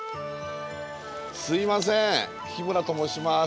すいません日村と申します。